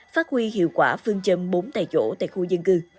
phát huy hiệu quả phương trầm bốn tài chỗ tại khu dân cư